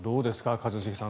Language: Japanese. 一茂さん。